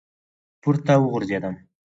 پـورتـه وغورځـېدم ،